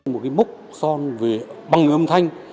một cái mốc son về băng âm thanh